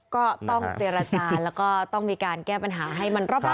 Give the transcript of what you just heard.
ก็ต้องเจรจาแล้วก็ต้องมีการแก้ปัญหาให้มันรอบ